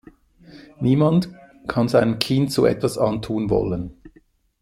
Niemand kann seinem Kind so etwas antun wollen.